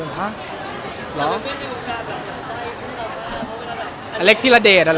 อันเล็กทีละเดทอ่ะเหรอ